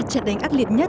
trận đánh ác liệt nhất